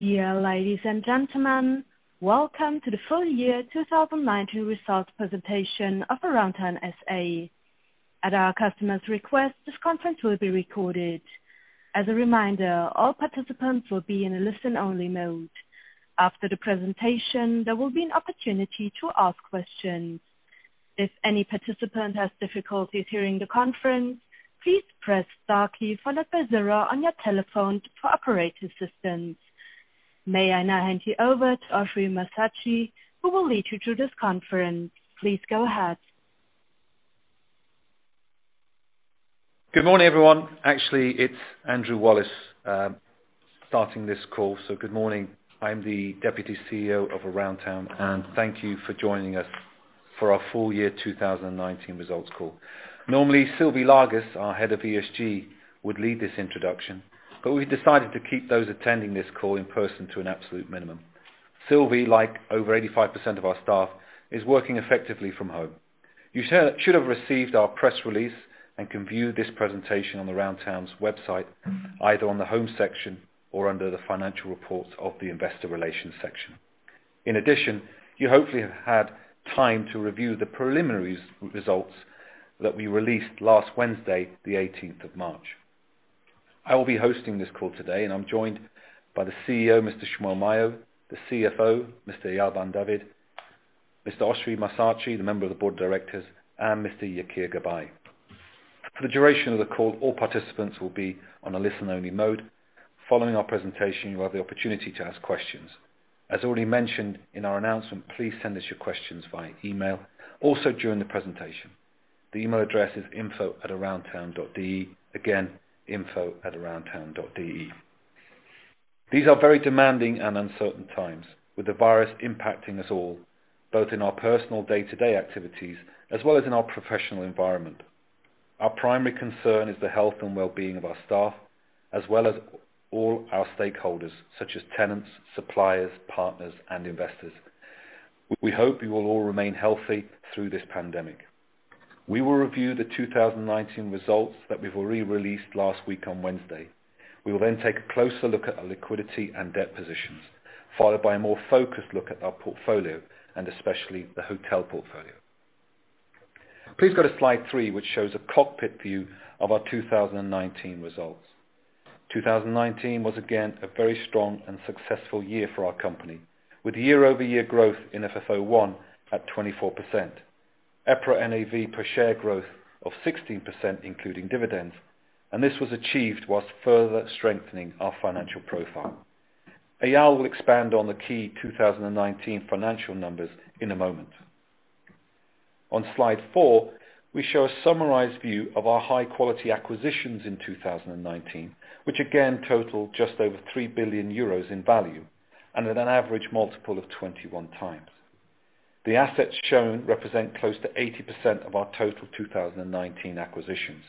Dear ladies and gentlemen, welcome to the full year 2019 results presentation of Aroundtown SA. At our customer's request, this conference will be recorded. As a reminder, all participants will be in a listen-only mode. After the presentation, there will be an opportunity to ask questions. If any participant has difficulties hearing the conference, please press star key followed by 0 on your telephone for operator assistance. May I now hand you over to Oschrie Massatschi, who will lead you through this conference. Please go ahead. Good morning, everyone. Actually, it's Andrew Wallis starting this call. Good morning. I am the Deputy CEO of Aroundtown, and thank you for joining us for our full year 2019 results call. Normally, Sylvie Lagus, our Head of ESG, would lead this introduction, but we decided to keep those attending this call in person to an absolute minimum. Sylvie, like over 85% of our staff, is working effectively from home. You should have received our press release and can view this presentation on Aroundtown's website, either on the home section or under the financial reports of the investor relations section. In addition, you hopefully have had time to review the preliminaries results that we released last Wednesday, March 18th. I will be hosting this call today, and I am joined by the CEO, Mr. Shmuel Mayo, the CFO, Mr. Eyal Ben David, Mr. Oschrie Massatschi, the member of the board of directors, and Mr. Yakir Gabay. For the duration of the call, all participants will be on a listen-only mode. Following our presentation, you will have the opportunity to ask questions. As already mentioned in our announcement, please send us your questions via email, also during the presentation. The email address is info@aroundtown.de. Again, info@aroundtown.de. These are very demanding and uncertain times, with the virus impacting us all, both in our personal day-to-day activities as well as in our professional environment. Our primary concern is the health and well-being of our staff, as well as all our stakeholders, such as tenants, suppliers, partners, and investors. We hope you will all remain healthy through this pandemic. We will review the 2019 results that we've already released last week on Wednesday. We will then take a closer look at our liquidity and debt positions, followed by a more focused look at our portfolio and especially the hotel portfolio. Please go to slide three, which shows a cockpit view of our 2019 results. 2019 was again a very strong and successful year for our company, with year-over-year growth in FFO 1 at 24%, EPRA NAV per share growth of 16%, including dividends, and this was achieved whilst further strengthening our financial profile. Eyal will expand on the key 2019 financial numbers in a moment. On slide four, we show a summarized view of our high-quality acquisitions in 2019, which again total just over 3 billion euros in value, and at an average multiple of 21x. The assets shown represent close to 80% of our total 2019 acquisitions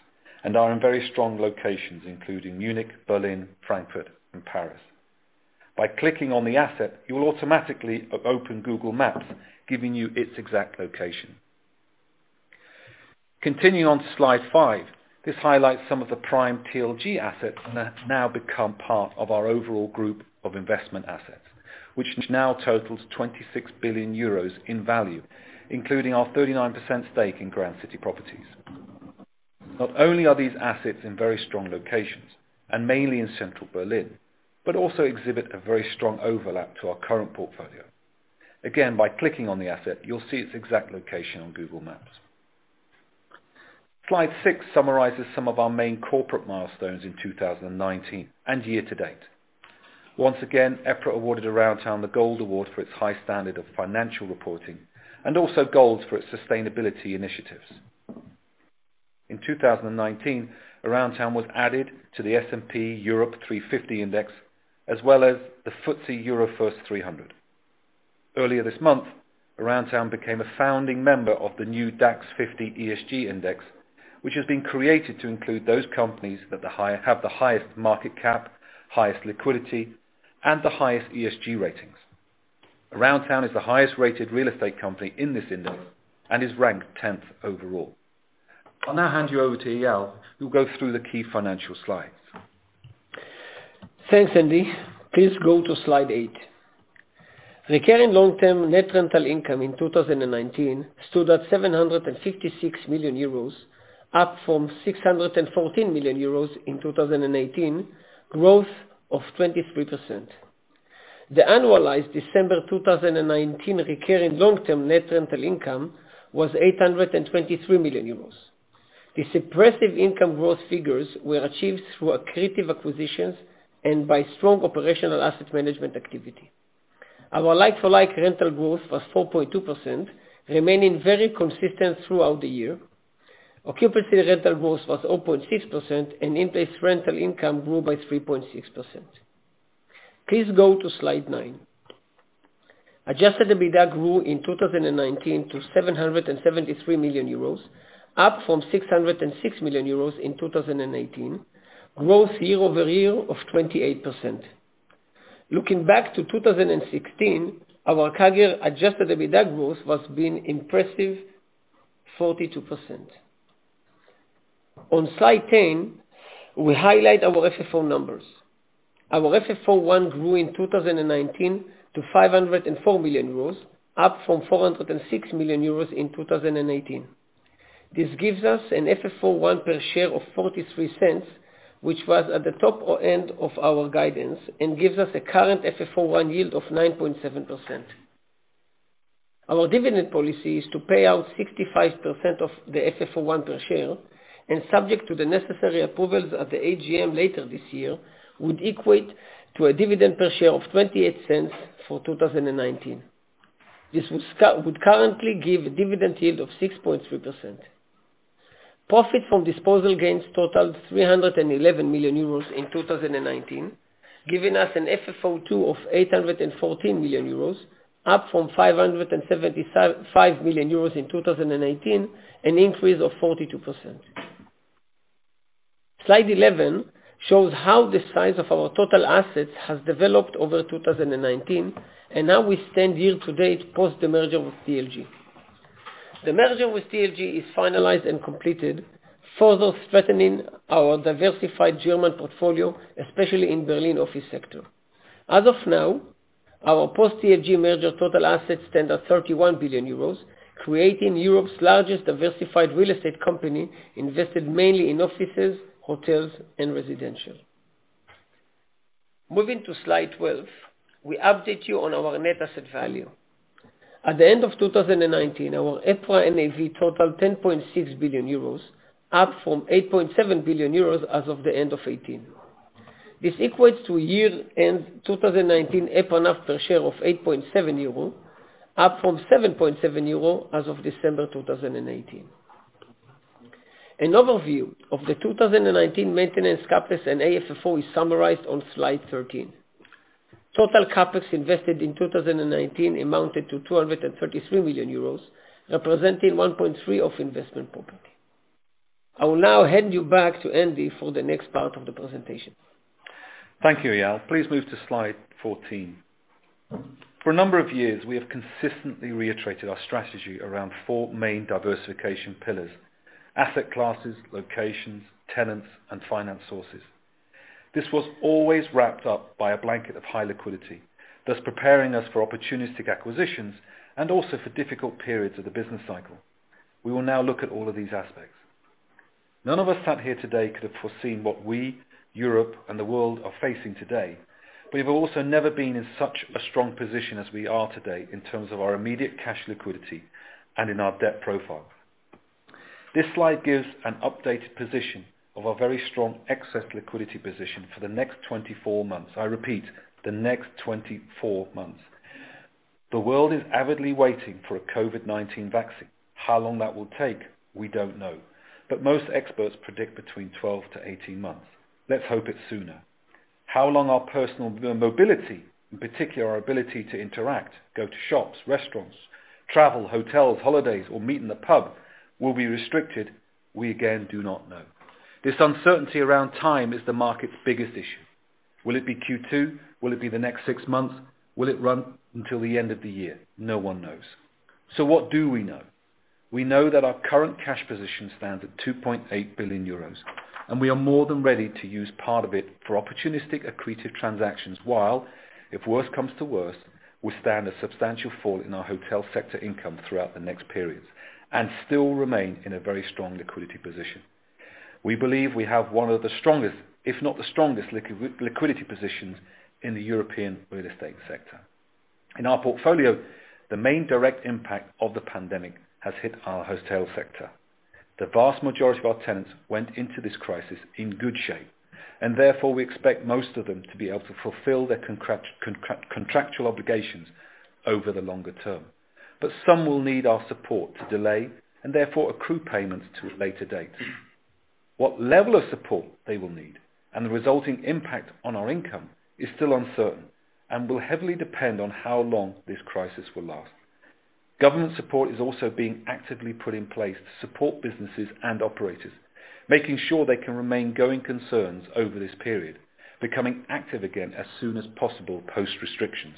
and are in very strong locations, including Munich, Berlin, Frankfurt, and Paris. By clicking on the asset, you will automatically open Google Maps, giving you its exact location. Continuing on slide five, this highlights some of the prime TLG assets that have now become part of our overall group of investment assets, which now totals 26 billion euros in value, including our 39% stake in Grand City Properties. Not only are these assets in very strong locations and mainly in central Berlin, but also exhibit a very strong overlap to our current portfolio. Again, by clicking on the asset, you'll see its exact location on Google Maps. Slide six summarizes some of our main corporate milestones in 2019 and year to date. Once again, EPRA awarded Aroundtown the Gold Award for its high standard of financial reporting and also Gold for its sustainability initiatives. In 2019, Aroundtown was added to the S&P Europe 350 Index, as well as the FTSEurofirst 300. Earlier this month, Aroundtown became a founding member of the new DAX 50 ESG Index, which has been created to include those companies that have the highest market cap, highest liquidity, and the highest ESG ratings. Aroundtown is the highest-rated real estate company in this index and is ranked 10th overall. I'll now hand you over to Eyal, who'll go through the key financial slides. Thanks, Andy. Please go to slide eight. Recurring long-term net rental income in 2019 stood at 756 million euros, up from 614 million euros in 2018, growth of 23%. The annualized December 2019 recurring long-term net rental income was 823 million euros. These impressive income growth figures were achieved through accretive acquisitions and by strong operational asset management activity. Our like-for-like rental growth was 4.2%, remaining very consistent throughout the year. Occupancy rental growth was 0.6%, and in-place rental income grew by 3.6%. Please go to slide nine. Adjusted EBITDA grew in 2019 to 773 million euros, up from 606 million euros in 2018, growth year-over-year of 28%. Looking back to 2016, our CAGR adjusted EBITDA growth was being impressive 42%. On slide 10, we highlight our FFO numbers. Our FFO 1 grew in 2019 to 504 million euros, up from 406 million euros in 2018. This gives us an FFO 1 per share of 0.43, which was at the top end of our guidance and gives us a current FFO 1 yield of 9.7%. Our dividend policy is to pay out 65% of the FFO 1 per share, and subject to the necessary approvals at the AGM later this year, would equate to a dividend per share of 0.28 for 2019. This would currently give a dividend yield of 6.3%. Profit from disposal gains totaled 311 million euros in 2019, giving us an FFO 2 of 814 million euros, up from 575 million euros in 2018, an increase of 42%. Slide 11 shows how the size of our total assets has developed over 2019 and how we stand year-to-date post the merger with TLG. The merger with TLG is finalized and completed, further strengthening our diversified German portfolio, especially in Berlin office sector. As of now, our post-TLG merger total assets stand at 31 billion euros, creating Europe's largest diversified real estate company, invested mainly in offices, hotels and residential. Moving to slide 12, we update you on our EPRA NAV. At the end of 2019, our EPRA NAV totaled 10.6 billion euros, up from 8.7 billion euros as of the end of 2018. This equates to a year-end 2019 EPRA NAV per share of 8.7 euro, up from 7.7 euro as of December 2018. An overview of the 2019 maintenance CapEx and AFFO is summarized on slide 13. Total CapEx invested in 2019 amounted to 233 million euros, representing 1.3 of investment property. I will now hand you back to Andy for the next part of the presentation. Thank you, Eyal. Please move to slide 14. For a number of years, we have consistently reiterated our strategy around four main diversification pillars: asset classes, locations, tenants, and finance sources. This was always wrapped up by a blanket of high liquidity, thus preparing us for opportunistic acquisitions and also for difficult periods of the business cycle. We will now look at all of these aspects. None of us sat here today could have foreseen what we, Europe, and the world are facing today, but we've also never been in such a strong position as we are today in terms of our immediate cash liquidity and in our debt profile. This slide gives an updated position of our very strong excess liquidity position for the next 24 months. I repeat, the next 24 months. The world is avidly waiting for a COVID-19 vaccine. How long that will take, we don't know, but most experts predict between 12-18 months. Let's hope it's sooner. How long our personal mobility, in particular, our ability to interact, go to shops, restaurants, travel, hotels, holidays, or meet in the pub, will be restricted, we again, do not know. This uncertainty around time is the market's biggest issue. Will it be Q2? Will it be the next six months? Will it run until the end of the year? No one knows. What do we know? We know that our current cash position stands at 2.8 billion euros, and we are more than ready to use part of it for opportunistic accretive transactions, while, if worse comes to worse, we stand a substantial fall in our hotel sector income throughout the next periods and still remain in a very strong liquidity position. We believe we have one of the strongest, if not the strongest, liquidity positions in the European real estate sector. In our portfolio, the main direct impact of the pandemic has hit our hotel sector. The vast majority of our tenants went into this crisis in good shape, and therefore we expect most of them to be able to fulfill their contractual obligations over the longer term. Some will need our support to delay and therefore accrue payments to a later date. What level of support they will need and the resulting impact on our income is still uncertain and will heavily depend on how long this crisis will last. Government support is also being actively put in place to support businesses and operators, making sure they can remain going concerns over this period, becoming active again as soon as possible post-restrictions.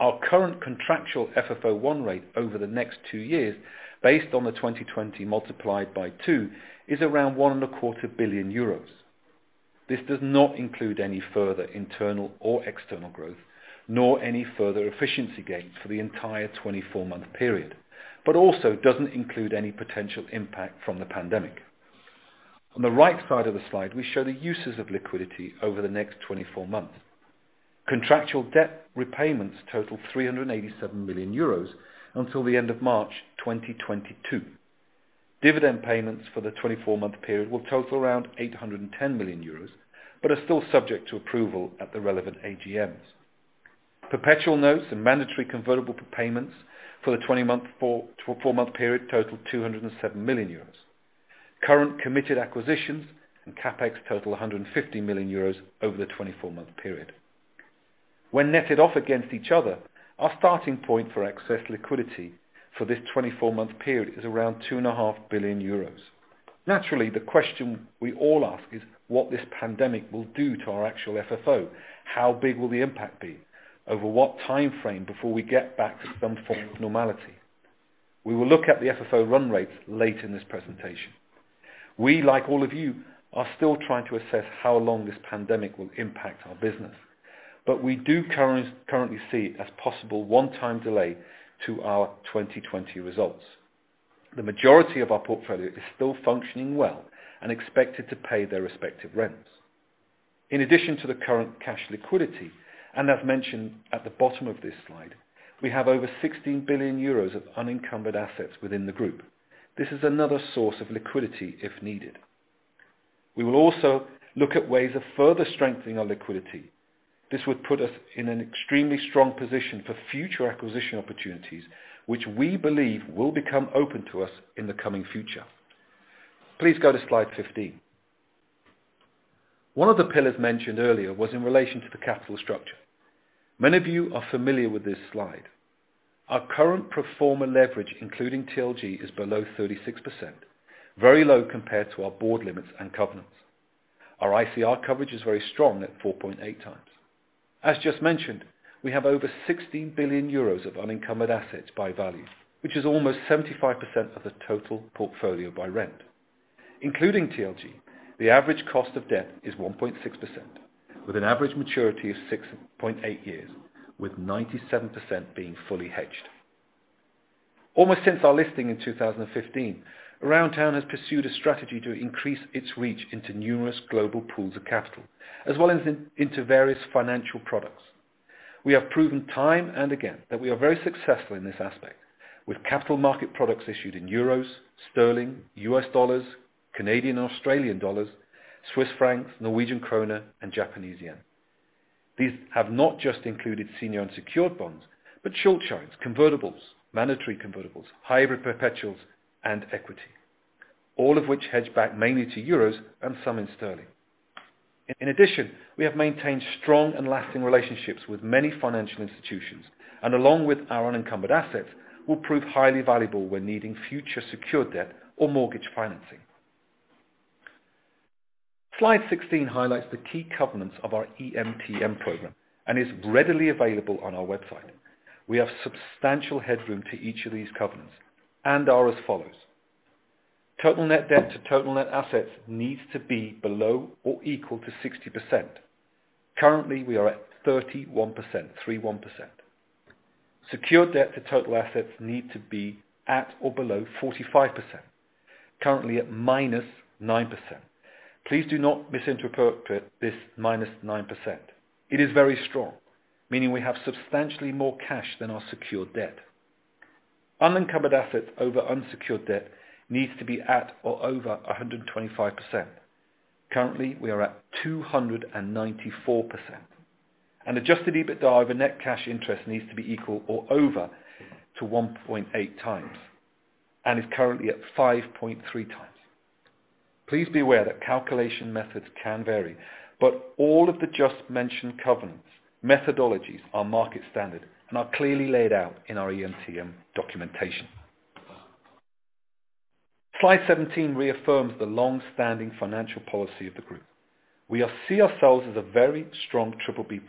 Our current contractual FFO 1 rate over the next two years, based on the 2020 multiplied by two, is around 1.25 billion euros. This does not include any further internal or external growth, nor any further efficiency gains for the entire 24-month period, but also doesn't include any potential impact from the pandemic. On the right side of the slide, we show the uses of liquidity over the next 24 months. Contractual debt repayments total EUR 387 million until the end of March 2022. Dividend payments for the 24-month period will total around 810 million euros, but are still subject to approval at the relevant AGMs. Perpetual notes and mandatory convertible payments for the 24-month period total 207 million euros. Current committed acquisitions and CapEx total 150 million euros over the 24-month period. When netted off against each other, our starting point for excess liquidity for this 24-month period is around 2.5 billion euros. Naturally, the question we all ask is what this pandemic will do to our actual FFO. How big will the impact be? Over what timeframe before we get back to some form of normality? We will look at the FFO run rates late in this presentation. We, like all of you, are still trying to assess how long this pandemic will impact our business. We do currently see as possible one-time delay to our 2020 results. The majority of our portfolio is still functioning well and expected to pay their respective rents. In addition to the current cash liquidity, and as mentioned at the bottom of this slide, we have over 16 billion euros of unencumbered assets within the group. This is another source of liquidity if needed. We will also look at ways of further strengthening our liquidity. This would put us in an extremely strong position for future acquisition opportunities, which we believe will become open to us in the coming future. Please go to slide 15. One of the pillars mentioned earlier was in relation to the capital structure. Many of you are familiar with this slide. Our current pro forma leverage, including TLG, is below 36%, very low compared to our board limits and covenants. Our ICR coverage is very strong at 4.8 times. As just mentioned, we have over 16 billion euros of unencumbered assets by value, which is almost 75% of the total portfolio by rent. Including TLG, the average cost of debt is 1.6%, with an average maturity of 6.8 years, with 97% being fully hedged. Almost since our listing in 2015, Aroundtown has pursued a strategy to increase its reach into numerous global pools of capital, as well as into various financial products. We have proven time and again that we are very successful in this aspect, with capital market products issued in euros, sterling, US dollars, Canadian and Australian dollars, Swiss francs, Norwegian kroner, and Japanese yen. These have not just included senior unsecured bonds, but Schuldscheine, convertibles, mandatory convertibles, hybrid perpetuals, and equity, all of which hedge back mainly to euros and some in sterling. In addition, we have maintained strong and lasting relationships with many financial institutions, and along with our unencumbered assets, will prove highly valuable when needing future secured debt or mortgage financing. Slide 16 highlights the key covenants of our EMTN program and is readily available on our website. We have substantial headroom for each of these covenants and are as follows. Total net debt to total net assets needs to be below or equal to 60%. Currently, we are at 31%. Secured debt to total assets need to be at or below 45%, currently at -9%. Please do not misinterpret this -9%. It is very strong, meaning we have substantially more cash than our secured debt. Unencumbered assets over unsecured debt needs to be at or over 125%. Currently, we are at 294%. Adjusted EBITDA over net cash interest needs to be equal or over to 1.8 times, and is currently at 5.3 times. Please be aware that calculation methods can vary, but all of the just mentioned covenants methodologies are market standard and are clearly laid out in our EMTN documentation. Slide 17 reaffirms the long-standing financial policy of the group. We all see ourselves as a very strong BBB+,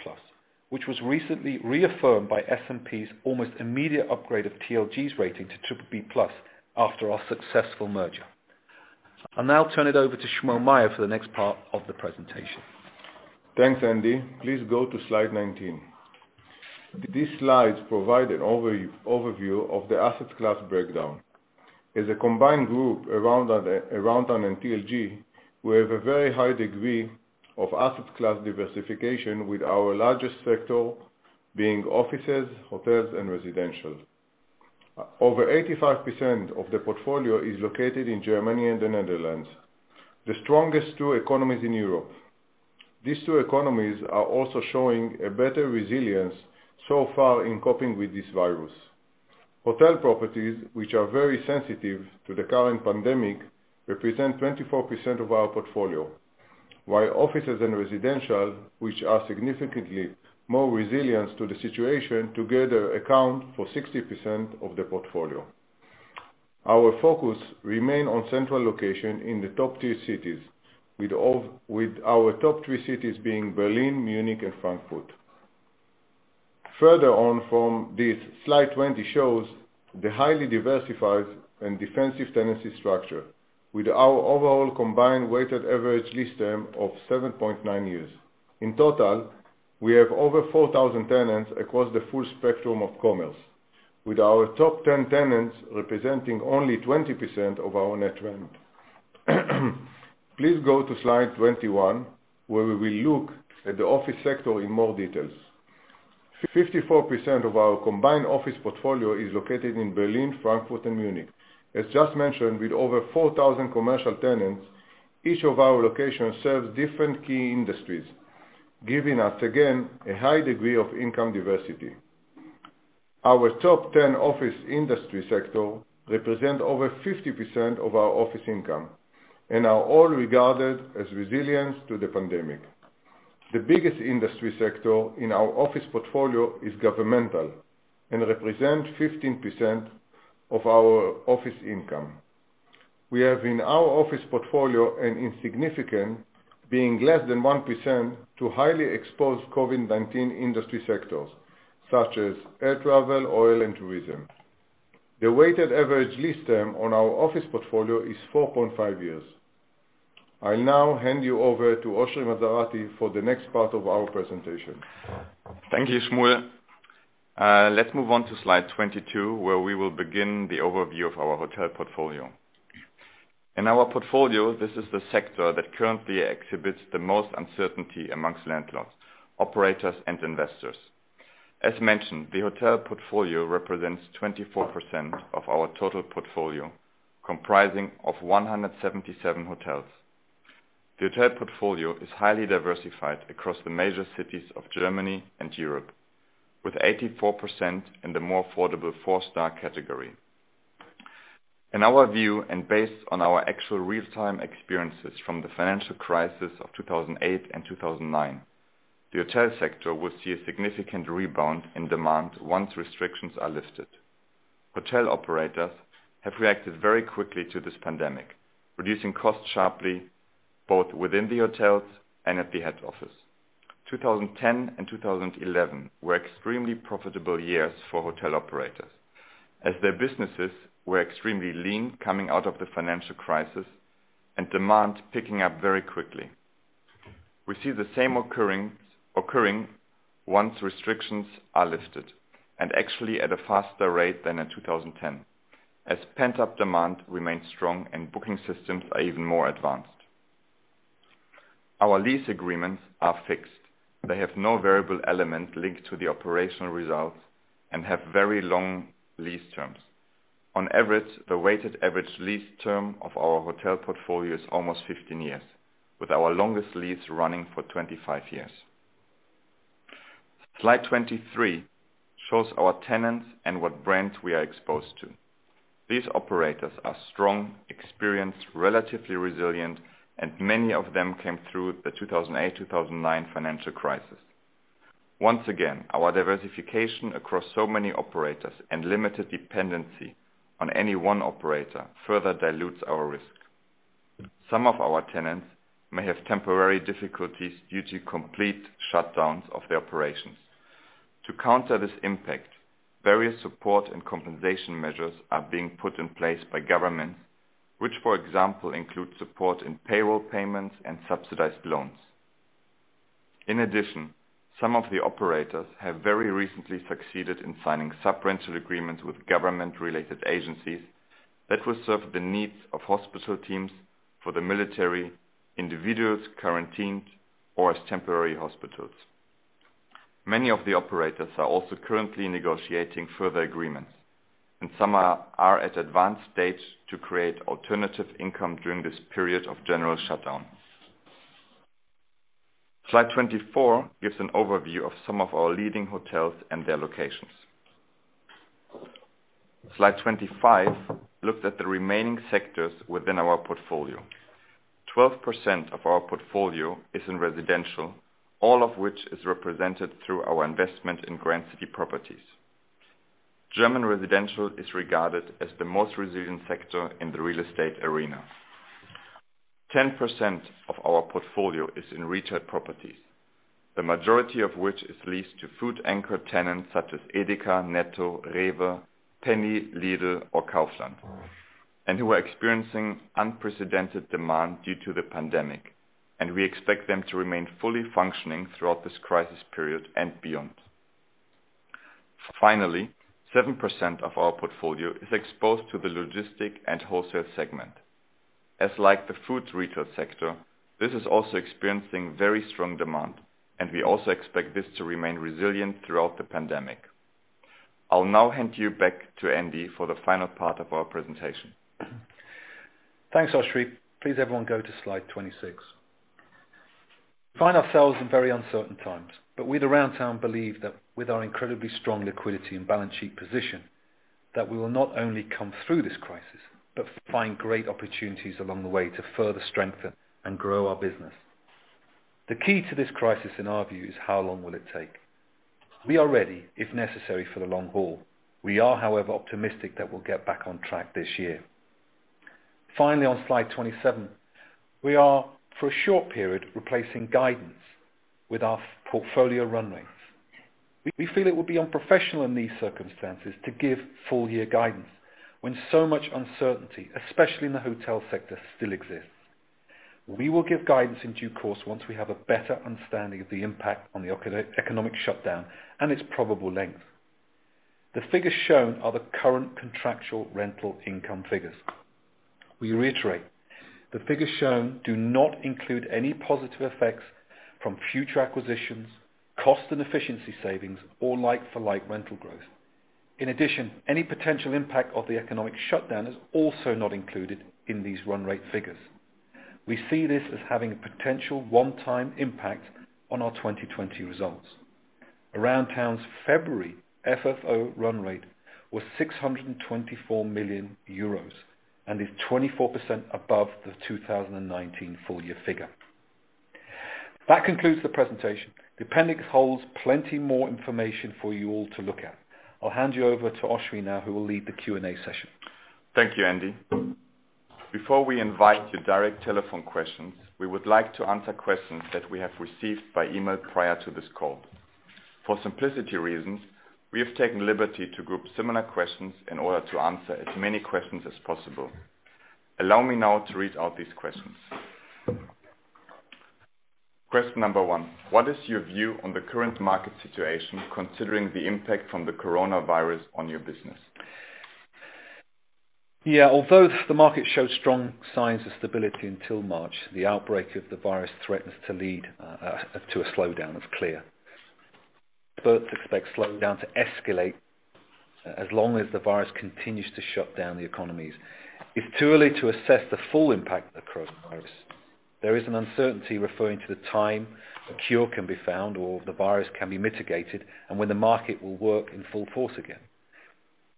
which was recently reaffirmed by S&P's almost immediate upgrade of TLG's rating to BBB+ after our successful merger. I'll now turn it over to Shmuel Mayo for the next part of the presentation. Thanks, Andy. Please go to slide 19. These slides provide an overview of the asset class breakdown. As a combined group, Aroundtown and TLG, we have a very high degree of asset class diversification with our largest sector being office properties, hotel properties, and residential properties. Over 85% of the portfolio is located in Germany and the Netherlands, the strongest two economies in Europe. These two economies are also showing a better resilience so far in coping with this virus. Hotel properties, which are very sensitive to the current pandemic, represent 24% of our portfolio. While office properties and residential properties, which are significantly more resilient to the situation, together account for 60% of the portfolio. Our focus remain on central location in the Top 7 cities, with our top three cities being Berlin, Munich, and Frankfurt. Further on from this, slide 20 shows the highly diversified and defensive tenancy structure with our overall combined weighted average lease term of 7.9 years. In total, we have over 4,000 tenants across the full spectrum of commerce, with our top 10 tenants representing only 20% of our net rent. Please go to slide 21, where we will look at the office sector in more details. 54% of our combined office portfolio is located in Berlin, Frankfurt, and Munich. As just mentioned, with over 4,000 commercial tenants, each of our locations serves different key industries, giving us, again, a high degree of income diversity. Our top 10 office industry sector represent over 50% of our office income and are all regarded as resilient to the pandemic. The biggest industry sector in our office portfolio is governmental and represents 15% of our office income. We have in our office portfolio an insignificant, being less than 1%, to highly exposed COVID-19 industry sectors such as air travel, oil and tourism. The weighted average lease term on our office portfolio is 4.5 years. I'll now hand you over to Oschrie Massatschi for the next part of our presentation. Thank you, Shmuel. Let's move on to slide 22, where we will begin the overview of our hotel portfolio. In our portfolio, this is the sector that currently exhibits the most uncertainty amongst landlords, operators, and investors. As mentioned, the hotel portfolio represents 24% of our total portfolio, comprising of 177 hotels. The hotel portfolio is highly diversified across the major cities of Germany and Europe, with 84% in the more affordable 4-star category. In our view, and based on our actual real-time experiences from the financial crisis of 2008 and 2009, the hotel sector will see a significant rebound in demand once restrictions are lifted. Hotel operators have reacted very quickly to this pandemic, reducing costs sharply, both within the hotels and at the head office. 2010 and 2011 were extremely profitable years for hotel operators, as their businesses were extremely lean coming out of the financial crisis, and demand picking up very quickly. We see the same occurring once restrictions are lifted, and actually at a faster rate than in 2010 as pent-up demand remains strong and booking systems are even more advanced. Our lease agreements are fixed. They have no variable element linked to the operational results and have very long lease terms. On average, the weighted average lease term of our hotel portfolio is almost 15 years, with our longest lease running for 25 years. Slide 23 shows our tenants and what brands we are exposed to. These operators are strong, experienced, relatively resilient, and many of them came through the 2008, 2009 financial crisis. Once again, our diversification across so many operators and limited dependency on any one operator further dilutes our risk. Some of our tenants may have temporary difficulties due to complete shutdowns of their operations. To counter this impact, various support and compensation measures are being put in place by governments, which, for example, include support in payroll payments and subsidized loans. In addition, some of the operators have very recently succeeded in signing sub-rental agreements with government-related agencies that will serve the needs of hospital teams for the military, individuals quarantined, or as temporary hospitals. Many of the operators are also currently negotiating further agreements, and some are at advanced stage to create alternative income during this period of general shutdown. Slide 24 gives an overview of some of our leading hotels and their locations. Slide 25 looks at the remaining sectors within our portfolio. 12% of our portfolio is in residential, all of which is represented through our investment in Grand City Properties. German residential is regarded as the most resilient sector in the real estate arena. 10% of our portfolio is in retail properties, the majority of which is leased to food anchor tenants such as Edeka, Netto, REWE, Penny, Lidl or Kaufland, who are experiencing unprecedented demand due to the pandemic, we expect them to remain fully functioning throughout this crisis period and beyond. Finally, 7% of our portfolio is exposed to the logistic and wholesale segment. As like the food retail sector, this is also experiencing very strong demand, we also expect this to remain resilient throughout the pandemic. I'll now hand you back to Andy for the final part of our presentation. Thanks, Oschrie. Please, everyone, go to slide 26. We find ourselves in very uncertain times, we at Aroundtown believe that with our incredibly strong liquidity and balance sheet position, that we will not only come through this crisis, but find great opportunities along the way to further strengthen and grow our business. The key to this crisis, in our view, is how long will it take? We are ready, if necessary, for the long haul. We are, however, optimistic that we'll get back on track this year. Finally, on slide 27, we are, for a short period, replacing guidance with our portfolio run rates. We feel it would be unprofessional in these circumstances to give full year guidance when so much uncertainty, especially in the hotel sector, still exists. We will give guidance in due course once we have a better understanding of the impact on the economic shutdown and its probable length. The figures shown are the current contractual rental income figures. We reiterate, the figures shown do not include any positive effects from future acquisitions, cost and efficiency savings, or like for like rental growth. In addition, any potential impact of the economic shutdown is also not included in these run rate figures. We see this as having a potential one-time impact on our 2020 results. Aroundtown's February FFO run rate was 624 million euros and is 24% above the 2019 full year figure. That concludes the presentation. The appendix holds plenty more information for you all to look at. I'll hand you over to Oschrie now, who will lead the Q&A session. Thank you, Andy. Before we invite your direct telephone questions, we would like to answer questions that we have received by email prior to this call. For simplicity reasons, we have taken the liberty to group similar questions in order to answer as many questions as possible. Allow me now to read out these questions. Question number one, what is your view on the current market situation, considering the impact from the coronavirus on your business? Yeah. Although the market showed strong signs of stability until March, the outbreak of the virus threatens to lead to a slowdown. It's clear. Both expect the slowdown to escalate as long as the virus continues to shut down the economies. It's too early to assess the full impact of coronavirus. There is an uncertainty referring to the time a cure can be found or the virus can be mitigated, and when the market will work in full force again.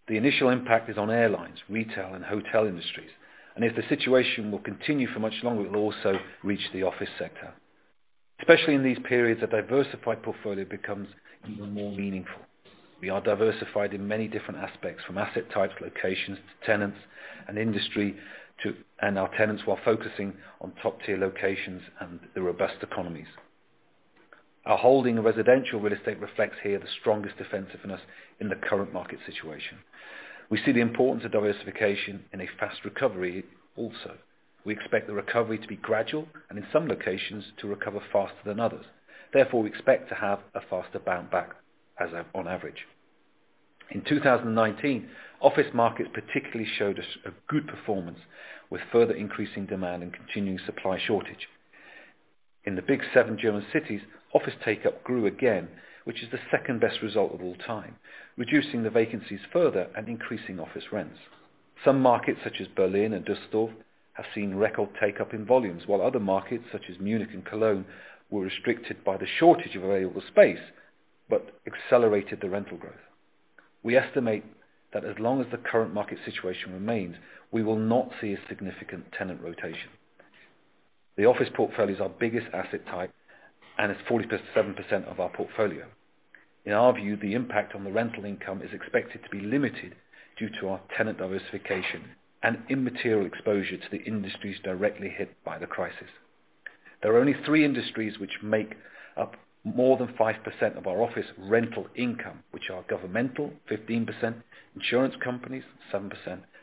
The initial impact is on airlines, retail, and hotel industries, and if the situation will continue for much longer, it will also reach the office sector. Especially in these periods, a diversified portfolio becomes even more meaningful. We are diversified in many different aspects, from asset types, locations, to tenants and industry, and our tenants, while focusing on top-tier locations and the robust economies. Our holding of residential real estate reflects here the strongest defensiveness in the current market situation. We see the importance of diversification in a fast recovery also. We expect the recovery to be gradual and in some locations to recover faster than others. Therefore, we expect to have a faster bounce back on average. In 2019, office markets particularly showed us a good performance with further increasing demand and continuing supply shortage. In the Top 7 German cities, office take-up grew again, which is the second-best result of all time, reducing the vacancies further and increasing office rents. Some markets, such as Berlin and Düsseldorf, have seen record take-up in volumes, while other markets, such as Munich and Cologne, were restricted by the shortage of available space but accelerated the rental growth. We estimate that as long as the current market situation remains, we will not see a significant tenant rotation. The office portfolio is our biggest asset type, and it's 47% of our portfolio. In our view, the impact on the rental income is expected to be limited due to our tenant diversification and immaterial exposure to the industries directly hit by the crisis. There are only three industries which make up more than 5% of our office rental income, which are governmental 15%, insurance companies 7%,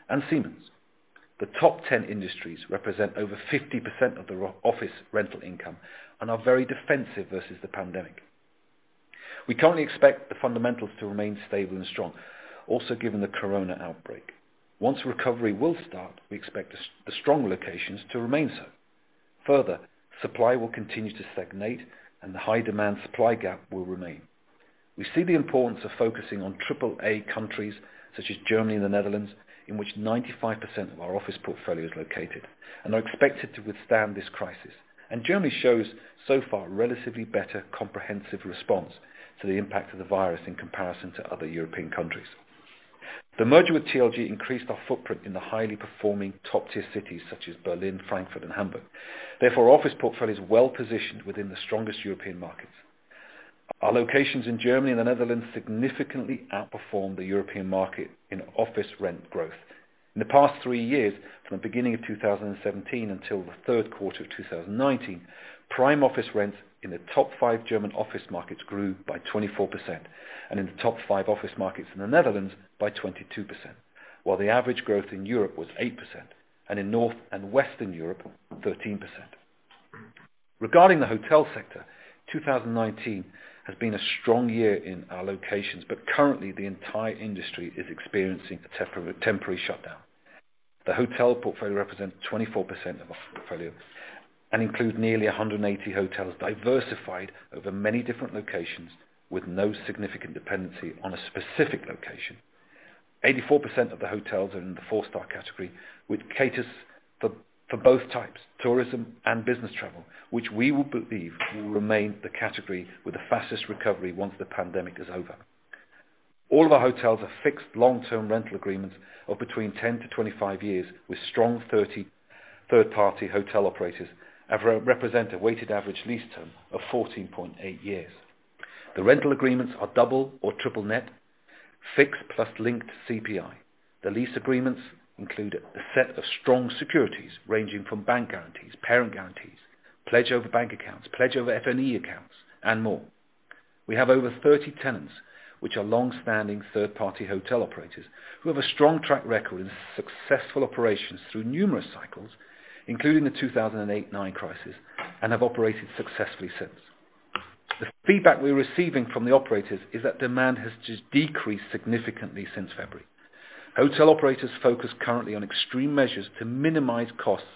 and Siemens. The Top 10 industries represent over 50% of the office rental income and are very defensive versus the pandemic. We currently expect the fundamentals to remain stable and strong, also given the corona outbreak. Once recovery will start, we expect the strong locations to remain so. Further, supply will continue to stagnate, and the high-demand supply gap will remain. We see the importance of focusing on AAA countries such as Germany and the Netherlands, in which 95% of our office portfolio is located and are expected to withstand this crisis. Germany shows so far relatively better comprehensive response to the impact of the virus in comparison to other European countries. The merger with TLG increased our footprint in the highly performing top-tier cities such as Berlin, Frankfurt, and Hamburg. Therefore, our office portfolio is well-positioned within the strongest European markets. Our locations in Germany and the Netherlands significantly outperform the European market in office rent growth. In the past three years, from the beginning of 2017 until the third quarter of 2019, prime office rents in the top 5 German office markets grew by 24%, and in the top 5 office markets in the Netherlands by 22%, while the average growth in Europe was 8%, and in North and Western Europe, 13%. Regarding the hotel sector, 2019 has been a strong year in our locations, but currently, the entire industry is experiencing a temporary shutdown. The hotel portfolio represents 24% of our portfolio and includes nearly 180 hotels diversified over many different locations with no significant dependency on a specific location. 84% of the hotels are in the 4-star category, which caters for both types, tourism and business travel, which we believe will remain the category with the fastest recovery once the pandemic is over. All of our hotels are fixed long-term rental agreements of between 10-25 years with strong third-party hotel operators and represent a weighted average lease term of 14.8 years. The rental agreements are double or triple net fixed plus linked CPI. The lease agreements include a set of strong securities ranging from bank guarantees, parent guarantees, pledge over bank accounts, pledge over FF&E accounts, and more. We have over 30 tenants, which are longstanding third-party hotel operators who have a strong track record in successful operations through numerous cycles, including the 2008 and 2009 crisis, and have operated successfully since. The feedback we're receiving from the operators is that demand has just decreased significantly since February. Hotel operators focus currently on extreme measures to minimize costs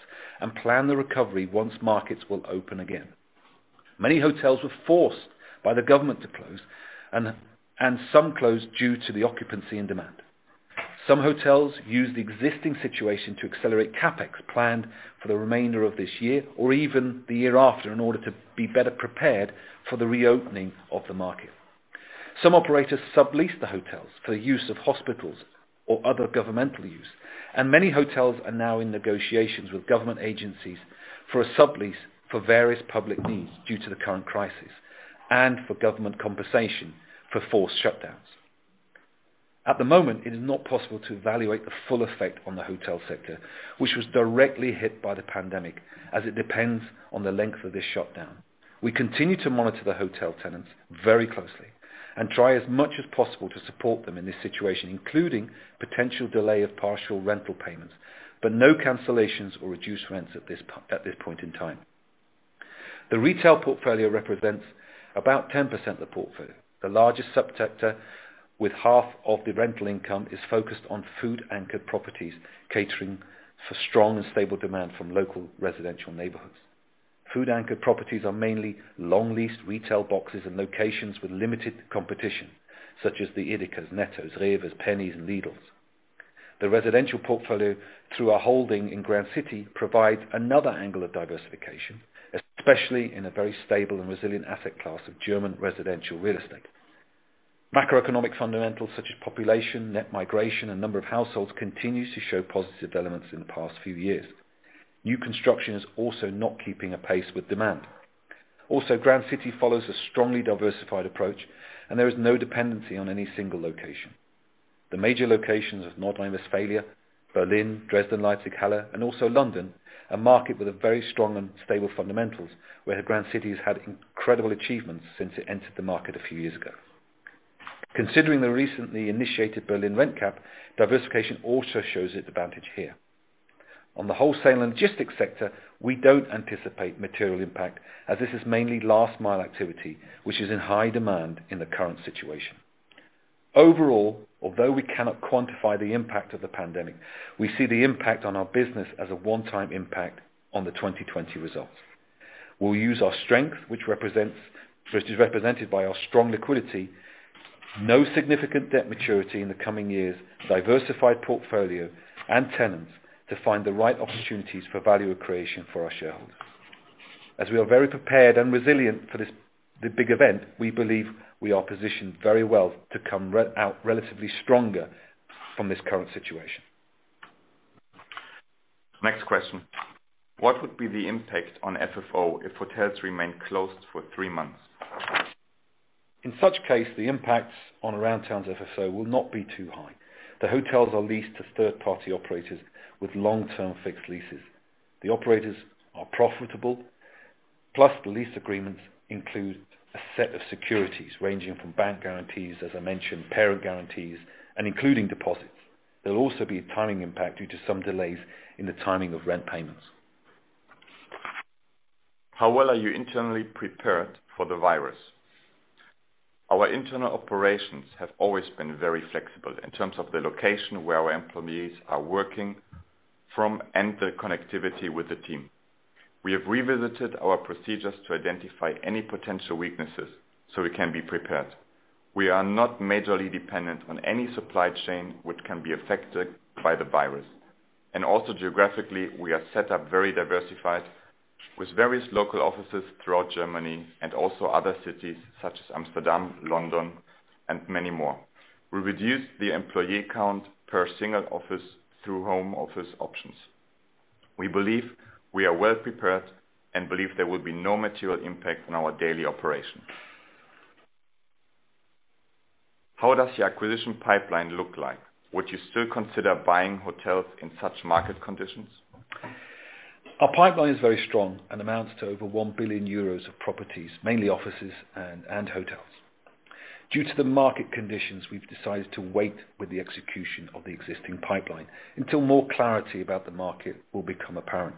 and plan the recovery once markets will open again. Many hotels were forced by the government to close, and some closed due to the occupancy and demand. Some hotels used the existing situation to accelerate CapEx planned for the remainder of this year or even the year after in order to be better prepared for the reopening of the market. Some operators sublease the hotels for the use of hospitals or other governmental use, and many hotels are now in negotiations with government agencies for a sublease for various public needs due to the current crisis, and for government compensation for forced shutdowns. At the moment, it is not possible to evaluate the full effect on the hotel sector, which was directly hit by the pandemic, as it depends on the length of this shutdown. We continue to monitor the hotel tenants very closely and try as much as possible to support them in this situation, including potential delay of partial rental payments, but no cancellations or reduced rents at this point in time. The retail portfolio represents about 10% of the portfolio. The largest subsector, with half of the rental income, is focused on food-anchored properties, catering for strong and stable demand from local residential neighborhoods. Food-anchored properties are mainly long leased retail boxes and locations with limited competition, such as the Edekas, Nettos, REWEs, Pennys, and Lidls. The residential portfolio, through our holding in Grand City, provides another angle of diversification, especially in a very stable and resilient asset class of German residential real estate. Macroeconomic fundamentals such as population, net migration, and number of households continues to show positive elements in the past few years. New construction is also not keeping a pace with demand. Grand City follows a strongly diversified approach, and there is no dependency on any single location. The major locations of North Rhine-Westphalia, Berlin, Dresden, Leipzig, Halle, and also London, a market with a very strong and stable fundamentals, where Grand City has had incredible achievements since it entered the market a few years ago. Considering the recently initiated Berlin rent cap, diversification also shows its advantage here. On the wholesale and logistics sector, we don't anticipate material impact, as this is mainly last mile activity, which is in high demand in the current situation. Overall, although we cannot quantify the impact of the pandemic, we see the impact on our business as a one-time impact on the 2020 results. We'll use our strength, which is represented by our strong liquidity, no significant debt maturity in the coming years, diversified portfolio and tenants to find the right opportunities for value creation for our shareholders. We are very prepared and resilient for the big event, we believe we are positioned very well to come out relatively stronger from this current situation. Next question. What would be the impact on FFO if hotels remain closed for three months? In such case, the impacts on Aroundtown's FFO will not be too high. The hotels are leased to third-party operators with long-term fixed leases. The operators are profitable. The lease agreements include a set of securities ranging from bank guarantees, as I mentioned, parent guarantees, and including deposits. There'll also be a timing impact due to some delays in the timing of rent payments. How well are you internally prepared for the virus? Our internal operations have always been very flexible in terms of the location where our employees are working from and the connectivity with the team. We have revisited our procedures to identify any potential weaknesses so we can be prepared. We are not majorly dependent on any supply chain which can be affected by the virus. Geographically, we are set up very diversified with various local offices throughout Germany and also other cities such as Amsterdam, London, and many more. We reduced the employee count per single office through home office options. We believe we are well prepared and believe there will be no material impact on our daily operations. How does the acquisition pipeline look like? Would you still consider buying hotels in such market conditions? Our pipeline is very strong and amounts to over 1 billion euros of properties, mainly offices and hotels. Due to the market conditions, we've decided to wait with the execution of the existing pipeline until more clarity about the market will become apparent.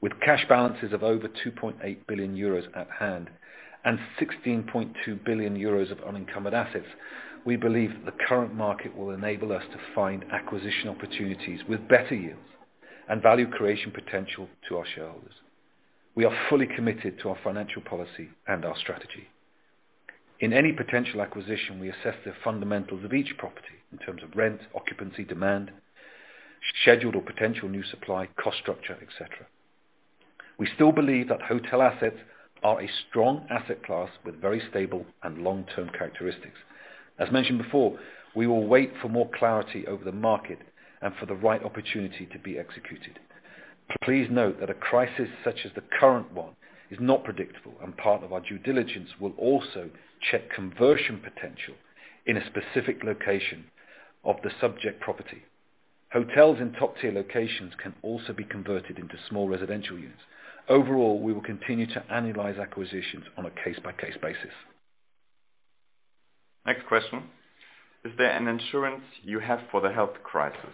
With cash balances of over 2.8 billion euros at hand and 16.2 billion euros of unencumbered assets, we believe the current market will enable us to find acquisition opportunities with better yields and value creation potential to our shareholders. We are fully committed to our financial policy and our strategy. In any potential acquisition, we assess the fundamentals of each property in terms of rent, occupancy demand, scheduled or potential new supply, cost structure, et cetera. We still believe that hotel assets are a strong asset class with very stable and long-term characteristics. As mentioned before, we will wait for more clarity over the market and for the right opportunity to be executed. Please note that a crisis such as the current one is not predictable, and part of our due diligence will also check conversion potential in a specific location of the subject property. Hotels in top tier locations can also be converted into small residential units. Overall, we will continue to analyze acquisitions on a case-by-case basis. Next question. Is there an insurance you have for the health crisis?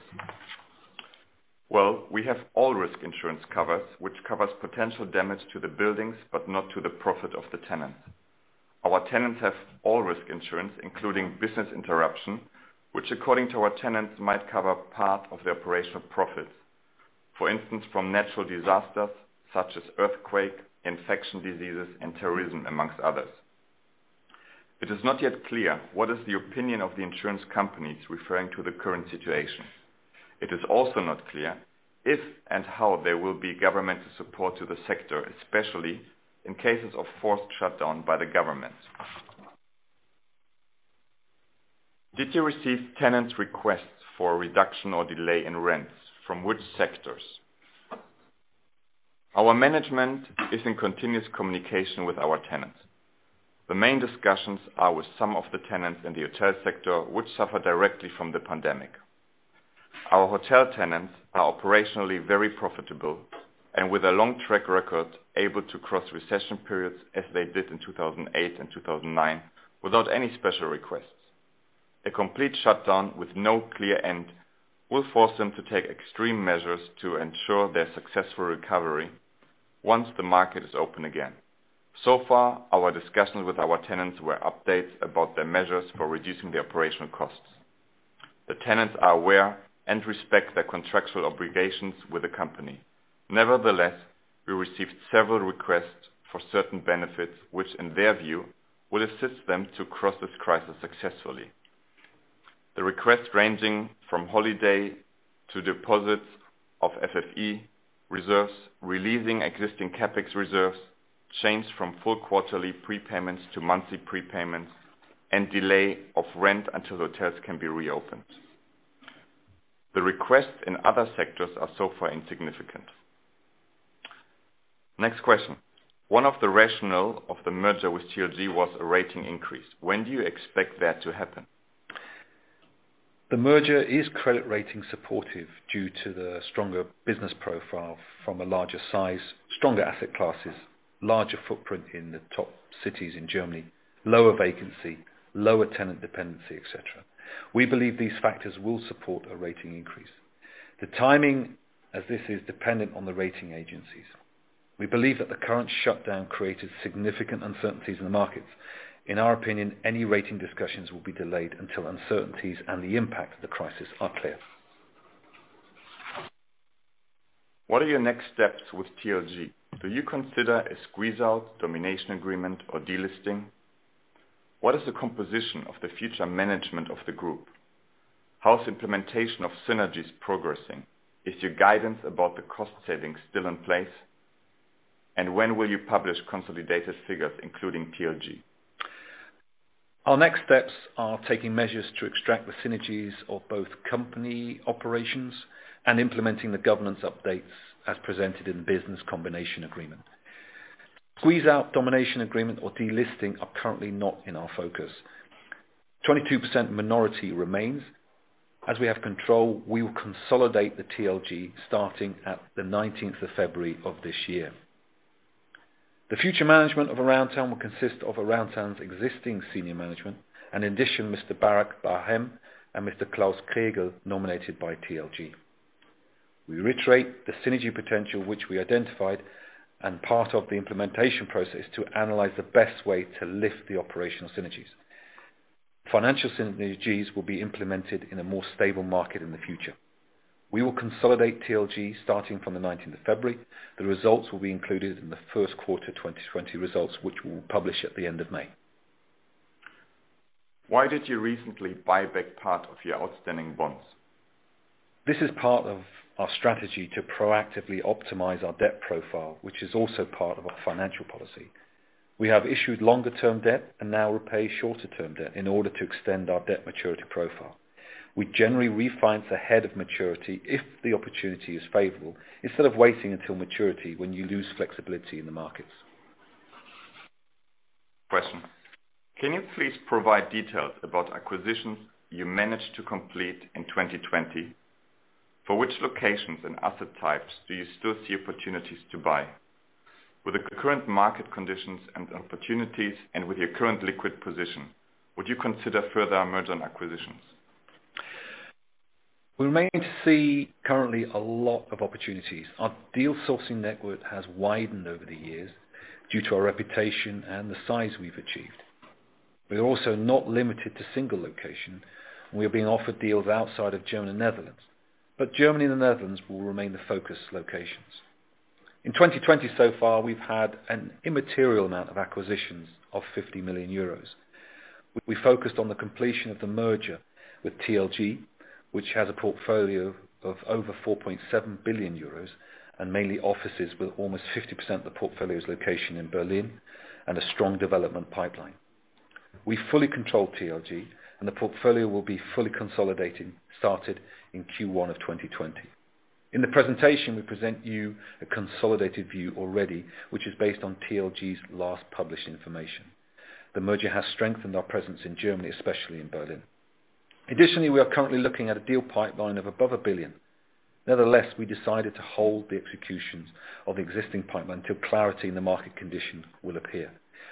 Well, we have all risk insurance covers, which covers potential damage to the buildings, but not to the profit of the tenants. Our tenants have all risk insurance, including business interruption, which according to our tenants, might cover part of their operational profits. For instance, from natural disasters such as earthquake, infectious diseases, and terrorism, amongst others. It is not yet clear what is the opinion of the insurance companies referring to the current situation. It is also not clear if and how there will be government support to the sector, especially in cases of forced shutdown by the government. Did you receive tenants' requests for a reduction or delay in rents? From which sectors? Our management is in continuous communication with our tenants. The main discussions are with some of the tenants in the hotel sector which suffer directly from the pandemic. Our hotel tenants are operationally very profitable, and with a long track record, able to cross recession periods as they did in 2008 and 2009 without any special requests. A complete shutdown with no clear end will force them to take extreme measures to ensure their successful recovery once the market is open again. So far, our discussions with our tenants were updates about their measures for reducing their operational costs. The tenants are aware and respect their contractual obligations with the company. Nevertheless, we received several requests for certain benefits, which in their view will assist them to cross this crisis successfully. The request ranging from holiday to deposits of FF&E reserves, releasing existing CapEx reserves, change from full quarterly prepayments to monthly prepayments, and delay of rent until hotels can be reopened. The requests in other sectors are so far insignificant. Next question. One of the rationale of the merger with TLG was a rating increase. When do you expect that to happen? The merger is credit rating supportive due to the stronger business profile from a larger size, stronger asset classes, larger footprint in the top cities in Germany, lower vacancy, lower tenant dependency, et cetera. We believe these factors will support a rating increase. The timing of this is dependent on the rating agencies. We believe that the current shutdown created significant uncertainties in the markets. In our opinion, any rating discussions will be delayed until uncertainties and the impact of the crisis are clear. What are your next steps with TLG? Do you consider a squeeze out, domination agreement or delisting? What is the composition of the future management of the group? How's implementation of synergies progressing? Is your guidance about the cost savings still in place? When will you publish consolidated figures including TLG? Our next steps are taking measures to extract the synergies of both company operations and implementing the governance updates as presented in the business combination agreement. Squeeze out, domination agreement or delisting are currently not in our focus. 22% minority remains. As we have control, we will consolidate the TLG starting at the 19th of February of this year. The future management of Aroundtown will consist of Aroundtown's existing senior management, and in addition, Mr. Barak Bar-Hen and Mr. Klaus Krägel, nominated by TLG. We reiterate the synergy potential which we identified and part of the implementation process to analyze the best way to lift the operational synergies. Financial synergies will be implemented in a more stable market in the future. We will consolidate TLG starting from the 19th of February. The results will be included in the first quarter 2020 results, which we will publish at the end of May. Why did you recently buy back part of your outstanding bonds? This is part of our strategy to proactively optimize our debt profile, which is also part of our financial policy. We have issued longer term debt and now repay shorter term debt in order to extend our debt maturity profile. We generally refinance ahead of maturity if the opportunity is favorable, instead of waiting until maturity when you lose flexibility in the markets. Question. Can you please provide details about acquisitions you managed to complete in 2020? For which locations and asset types do you still see opportunities to buy? With the current market conditions and opportunities and with your current liquid position, would you consider further merger and acquisitions? We mainly see currently a lot of opportunities. Our deal sourcing network has widened over the years due to our reputation and the size we've achieved. We are also not limited to single location, and we are being offered deals outside of Germany and Netherlands, but Germany and the Netherlands will remain the focus locations. In 2020 so far, we've had an immaterial amount of acquisitions of 50 million euros. We focused on the completion of the merger with TLG, which has a portfolio of over 4.7 billion euros and mainly offices with almost 50% of the portfolio's location in Berlin and a strong development pipeline. We fully control TLG and the portfolio will be fully consolidating started in Q1 of 2020. In the presentation, we present you a consolidated view already, which is based on TLG's last published information. The merger has strengthened our presence in Germany, especially in Berlin. Additionally, we are currently looking at a deal pipeline of above 1 billion. Nevertheless, we decided to hold the executions of existing pipeline until clarity in the market condition will appear.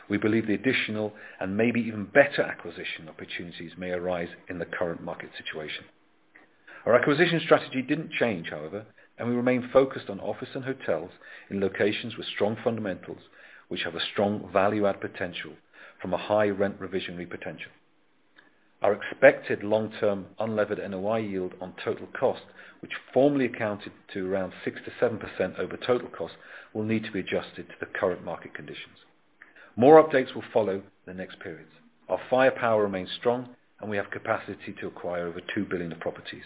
We believe the additional and maybe even better acquisition opportunities may arise in the current market situation. Our acquisition strategy didn't change, however, and we remain focused on office and hotels in locations with strong fundamentals, which have a strong value add potential from a high rent revisionary potential. Our expected long-term unlevered NOI yield on total cost, which formerly accounted to around 6%-7% over total cost, will need to be adjusted to the current market conditions. More updates will follow in the next periods. Our firepower remains strong, and we have capacity to acquire over 2 billion of properties.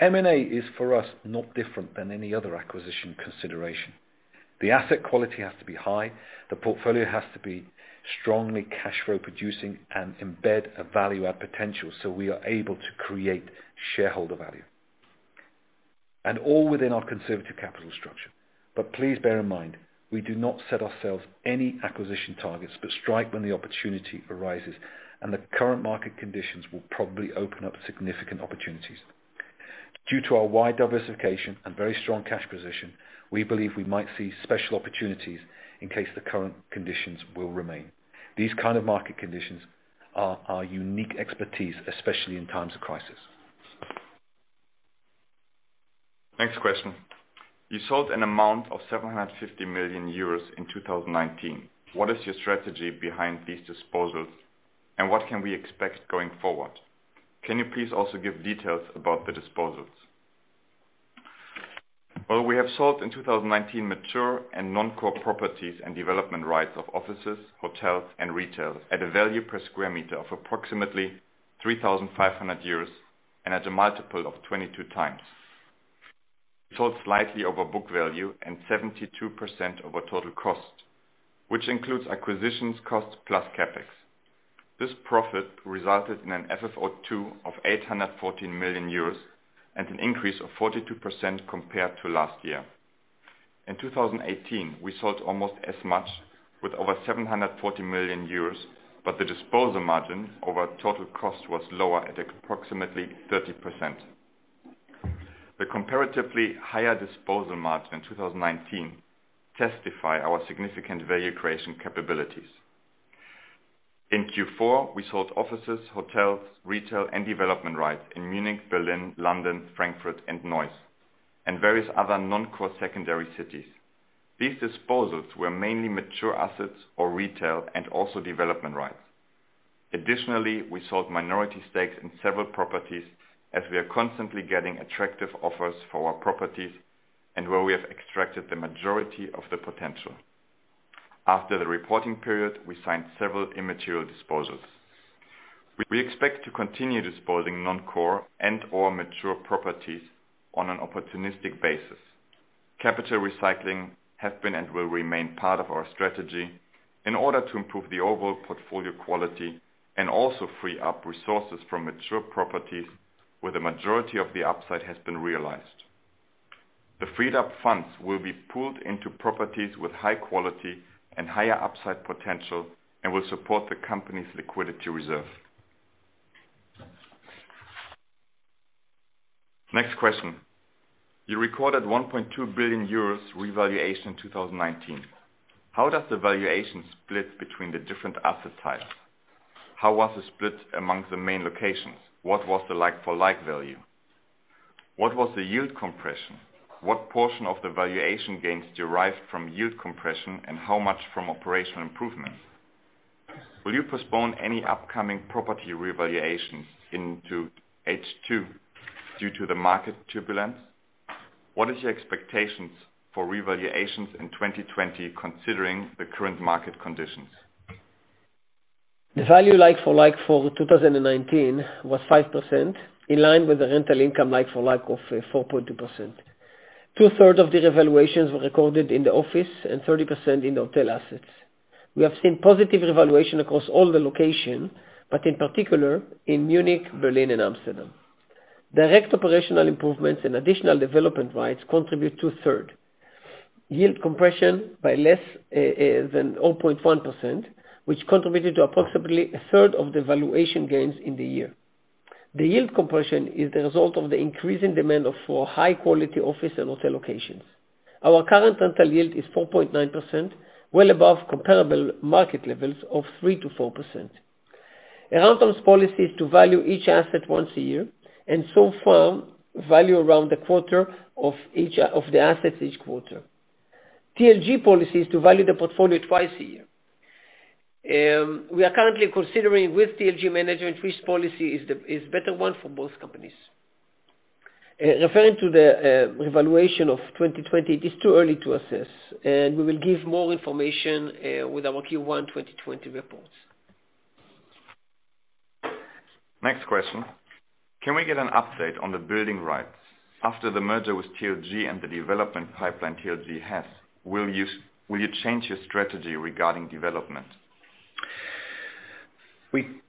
M&A is, for us, not different than any other acquisition consideration. All within our conservative capital structure. Please bear in mind, we do not set ourselves any acquisition targets, but strike when the opportunity arises, and the current market conditions will probably open up significant opportunities. Due to our wide diversification and very strong cash position, we believe we might see special opportunities in case the current conditions will remain. These kind of market conditions are our unique expertise, especially in times of crisis. Next question. You sold an amount of 750 million euros in 2019. What is your strategy behind these disposals, and what can we expect going forward? Can you please also give details about the disposals? Well, we have sold in 2019 mature and non-core properties and development rights of offices, hotels and retails at a value per square meter of approximately 3,500 euros and at a multiple of 22 times. We sold slightly over book value and 72% over total cost, which includes acquisitions costs plus CapEx. This profit resulted in an FFO2 of 814 million euros and an increase of 42% compared to last year. In 2018, we sold almost as much with over 740 million euros, but the disposal margin over total cost was lower at approximately 30%. The comparatively higher disposal margin in 2019 testify our significant value creation capabilities. In Q4, we sold offices, hotels, retail, and development rights in Munich, Berlin, London, Frankfurt and Neuss, and various other non-core secondary cities. These disposals were mainly mature assets or retail, and also development rights. Additionally, we sold minority stakes in several properties as we are constantly getting attractive offers for our properties and where we have extracted the majority of the potential. After the reporting period, we signed several immaterial disposals. We expect to continue disposing non-core and/or mature properties on an opportunistic basis. Capital recycling have been and will remain part of our strategy in order to improve the overall portfolio quality and also free up resources from mature properties where the majority of the upside has been realized. The freed up funds will be pooled into properties with high quality and higher upside potential and will support the company's liquidity reserve. Next question. You recorded 1.2 billion euros revaluation 2019. How does the valuation split between the different asset types? How was the split among the main locations? What was the like-for-like value? What was the yield compression? What portion of the valuation gains derived from yield compression and how much from operational improvements? Will you postpone any upcoming property revaluations into H2 due to the market turbulence? What is your expectations for revaluations in 2020 considering the current market conditions? The value like for like for 2019 was 5%, in line with the rental income like for like of 4.2%. Two third of the revaluations were recorded in the office and 30% in the hotel assets. We have seen positive revaluation across all the location, but in particular in Munich, Berlin and Amsterdam. Direct operational improvements and additional development rights contribute to third. Yield compression by less than 0.1%, which contributed to approximately a third of the valuation gains in the year. The yield compression is the result of the increasing demand for high quality office and hotel locations. Our current rental yield is 4.9%, well above comparable market levels of 3%-4%. Aroundtown's policy is to value each asset once a year, and so far value around a quarter of the assets each quarter. TLG policy is to value the portfolio twice a year. We are currently considering with TLG management which policy is better one for both companies. Referring to the revaluation of 2020, it is too early to assess. We will give more information with our Q1 2020 reports. Next question. Can we get an update on the building rights after the merger with TLG and the development pipeline TLG has? Will you change your strategy regarding development? We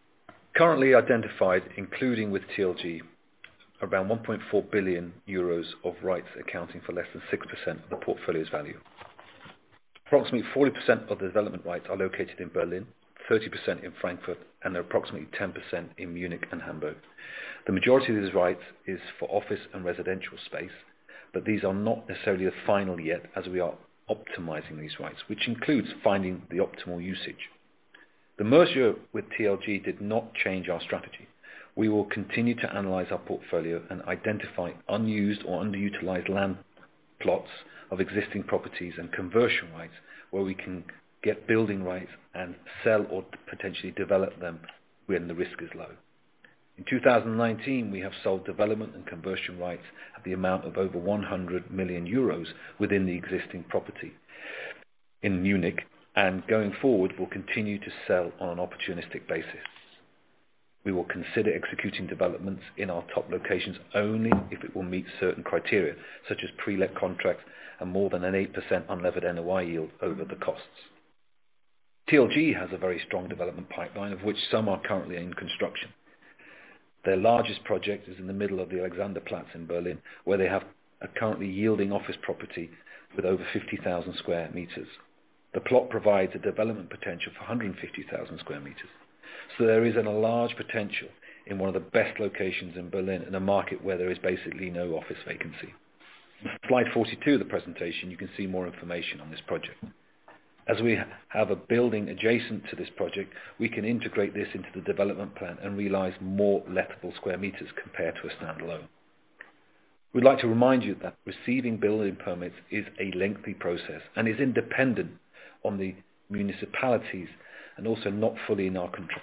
currently identified, including with TLG, around 1.4 billion euros of rights accounting for less than 6% of the portfolio's value. Approximately 40% of development rights are located in Berlin, 30% in Frankfurt, and approximately 10% in Munich and Hamburg. The majority of these rights is for office and residential space, but these are not necessarily final yet as we are optimizing these rights, which includes finding the optimal usage. The merger with TLG did not change our strategy. We will continue to analyze our portfolio and identify unused or underutilized land plots of existing properties and conversion rights where we can get building rights and sell or potentially develop them when the risk is low. In 2019, we have sold development and conversion rights at the amount of over 100 million euros within the existing property in Munich. Going forward, we'll continue to sell on an opportunistic basis. We will consider executing developments in our top locations only if it will meet certain criteria, such as pre-let contracts and more than an 8% unlevered NOI yield over the costs. TLG has a very strong development pipeline, of which some are currently in construction. Their largest project is in the middle of the Alexanderplatz in Berlin, where they have a currently yielding office property with over 50,000 sq m. The plot provides a development potential for 150,000 sq m. There is a large potential in one of the best locations in Berlin, in a market where there is basically no office vacancy. In slide 42 of the presentation, you can see more information on this project. As we have a building adjacent to this project, we can integrate this into the development plan and realize more lettable sq m compared to a standalone. We'd like to remind you that receiving building permits is a lengthy process and is independent of the municipalities and also not fully in our control.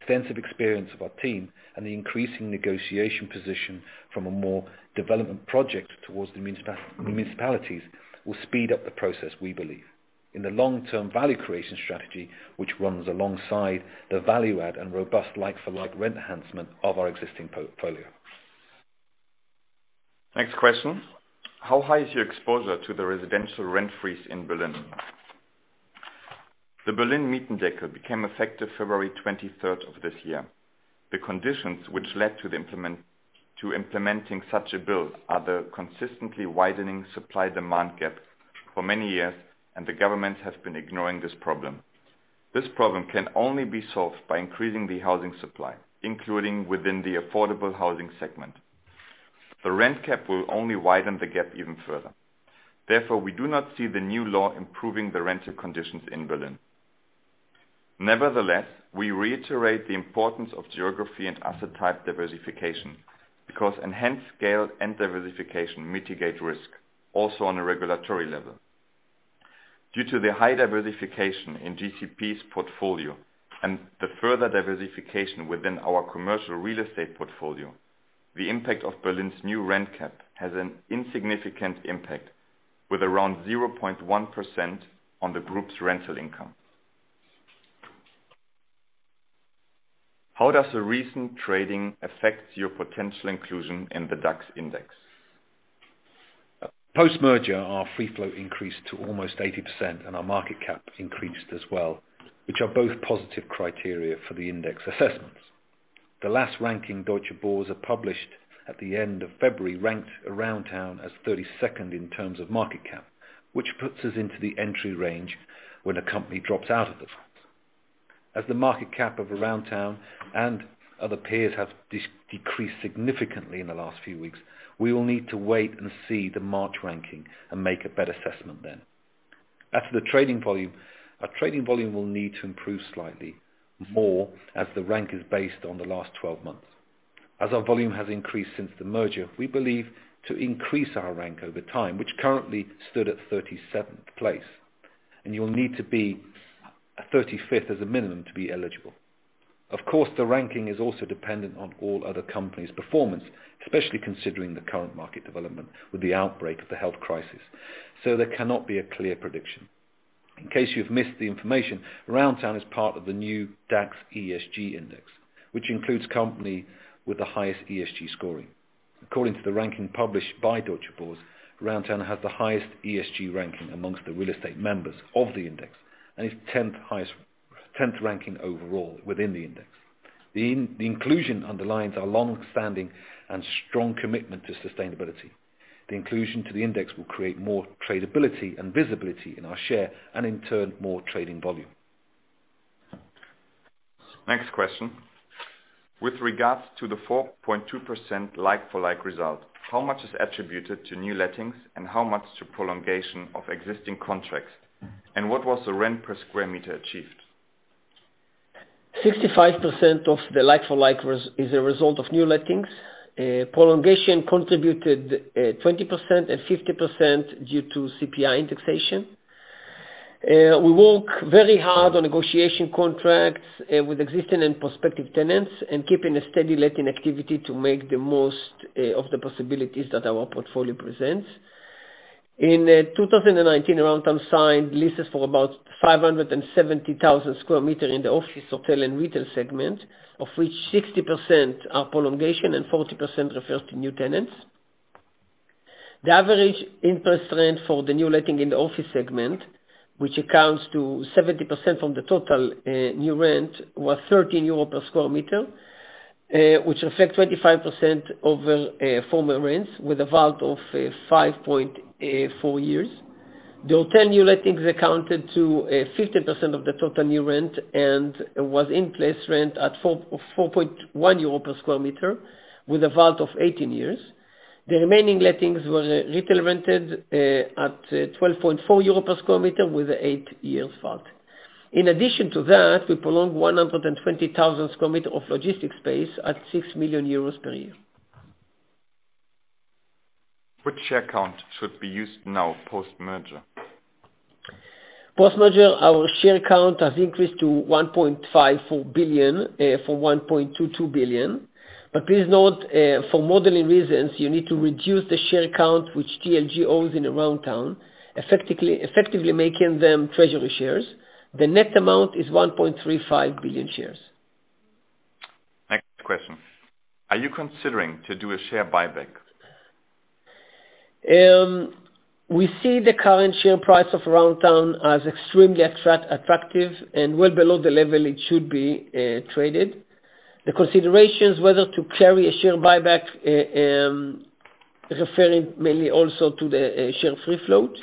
Extensive experience of our team and the increasing negotiation position from a more development project towards the municipalities will speed up the process, we believe. In the long-term value creation strategy, which runs alongside the value-add and robust like-for-like rent enhancement of our existing portfolio. Next question. How high is your exposure to the residential rent freeze in Berlin? The Berlin Mietendeckel became effective February 23rd of this year. The conditions which led to implementing such a bill are the consistently widening supply-demand gap for many years. The government has been ignoring this problem. This problem can only be solved by increasing the housing supply, including within the affordable housing segment. The rent cap will only widen the gap even further. We do not see the new law improving the rental conditions in Berlin. Nevertheless, we reiterate the importance of geography and asset type diversification because enhanced scale and diversification mitigate risk, also on a regulatory level. Due to the high diversification in GCP's portfolio and the further diversification within our commercial real estate portfolio, the impact of Berlin's new rent cap has an insignificant impact with around 0.1% on the group's rental income. How does the recent trading affect your potential inclusion in the DAX index? Post-merger, our free float increased to almost 80%. Our market cap increased as well, which are both positive criteria for the index assessments. The last ranking Deutsche Börse published at the end of February ranked Aroundtown as 32nd in terms of market cap, which puts us into the entry range when a company drops out of the DAX. The market cap of Aroundtown and other peers have decreased significantly in the last few weeks, we will need to wait and see the March ranking and make a better assessment then. For the trading volume, our trading volume will need to improve slightly more as the rank is based on the last 12 months. Our volume has increased since the merger, we believe to increase our rank over time, which currently stood at 37th place, and you'll need to be 35th as a minimum to be eligible. Of course, the ranking is also dependent on all other companies' performance, especially considering the current market development with the outbreak of the health crisis. There cannot be a clear prediction. In case you've missed the information, Aroundtown is part of the new DAX ESG Index, which includes company with the highest ESG scoring. According to the ranking published by Deutsche Börse, Aroundtown has the highest ESG ranking amongst the real estate members of the index and is 10th ranking overall within the index. The inclusion underlines our long-standing and strong commitment to sustainability. The inclusion to the index will create more tradability and visibility in our share and in turn, more trading volume. Next question. With regards to the 4.2% like-for-like result, how much is attributed to new lettings and how much to prolongation of existing contracts? What was the rent per square meter achieved? 65% of the like-for-like is a result of new lettings. Prolongation contributed 20% and 50% due to CPI indexation. We work very hard on negotiation contracts with existing and prospective tenants and keeping a steady letting activity to make the most of the possibilities that our portfolio presents. In 2019, Aroundtown signed leases for about 570,000 square meter in the office, hotel, and retail segment, of which 60% are prolongation and 40% refers to new tenants. The average in-place rent for the new letting in the office segment, which accounts to 70% from the total new rent, was 13 euro per square meter, which reflects 25% over former rents with a WALT of 5.4 years. The hotel new lettings accounted to 15% of the total new rent, and was in-place rent at 4.1 euro per square meter with a WALT of 18 years. The remaining lettings were retail rented at 12.4 euro per square meter with an eight years WALT. In addition to that, we prolonged 120,000 square meter of logistics space at 6 million euros per year. Which share count should be used now post-merger? Post-merger, our share count has increased to 1.54 billion from 1.22 billion. Please note, for modeling reasons, you need to reduce the share count which TLG owns in Aroundtown, effectively making them treasury shares. The net amount is 1.35 billion shares. Next question. Are you considering to do a share buyback? We see the current share price of Aroundtown as extremely attractive and well below the level it should be traded. The considerations whether to carry a share buyback, referring mainly also to the share free float.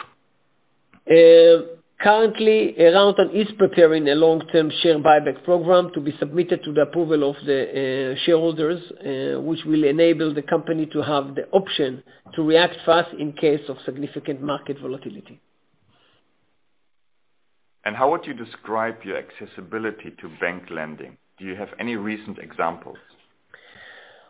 Currently, Aroundtown is preparing a long-term share buyback program to be submitted to the approval of the shareholders, which will enable the company to have the option to react fast in case of significant market volatility. How would you describe your accessibility to bank lending? Do you have any recent examples?